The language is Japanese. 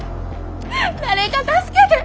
誰か助けて！